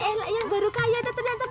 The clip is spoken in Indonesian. se ella yang baru kaya ternyata banyak hutang